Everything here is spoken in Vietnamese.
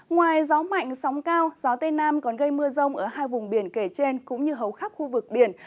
ngoài gió mạnh sóng cao gió tây nam còn gây mưa rông ở hai vùng biển kể trên cũng như hầu khắp khu vực biển